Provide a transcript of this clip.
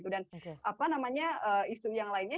dan isu yang lainnya